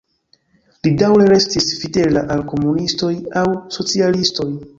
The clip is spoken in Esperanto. Li daŭre restis fidela al komunistoj aŭ socialistoj.